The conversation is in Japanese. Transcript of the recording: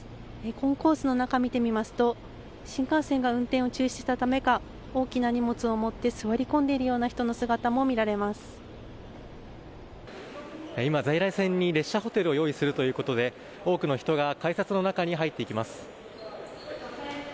コンコースの中を見てみますと新幹線が運転を中止したためか大きな荷物を持って座り込んでいるような人の姿も今、在来線に列車ホテルを用意するということで多くの人が改札の中に入っていきます。